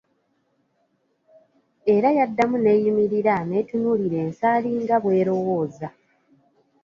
Era yaddamu n'eyimirira, n'etunulira ensaali nga bw'elowooza .